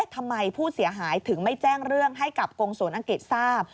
ทำไมผู้เสียหายถึงไม่แจ้งเรื่องให้กับกรงศูนย์อังกฤษทราบ